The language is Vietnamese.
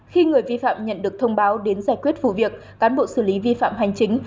khi người vi phạm nhận được thông báo đến giải quyết vụ việc cán bộ xử lý vi phạm hành chính